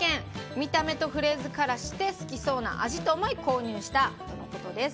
見た目とフレーズからして好きそうな味と思い購入したとのことです。